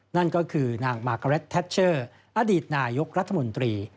นั่นก็คือนางมาเกร็ดแทชเชอร์อดีตนายกรัฐมนตรี